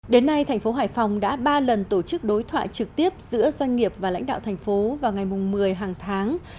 đến nay thành phố hải phòng đã ba lần tổ chức đối thoại trực tiếp giữa doanh nghiệp và lãnh đạo thành phố vào ngày một mươi hàng tháng